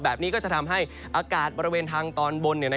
แบบนี้ก็จะทำให้อากาศบริเวณทางตอนบน